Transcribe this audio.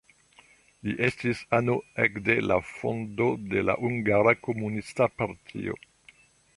Li estis ano ekde la fondo de la Hungara Komunista partio.